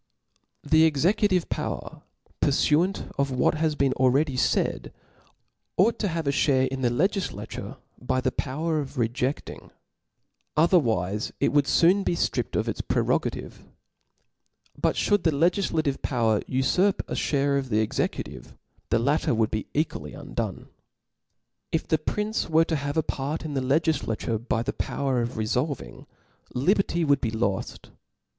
The executive power, purfuant to what has been already faid, ought to have a ihare in the legiilature by the power of rejeAing, otherwife it would foon fee ftrippcd of its prerogative. But fliould the legi. «34 T H E S P I R I T Book Icgiflativc powcr ufufp a (bare of the executive, g*^ ^^ the latter would be equally undone. If the prince were to have a part in the Icgifla. tore by the power of refolving, liberty would be loft.